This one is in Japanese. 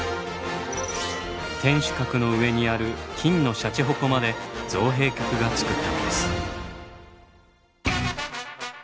天守閣の上にある金の鯱まで造幣局が造ったのです。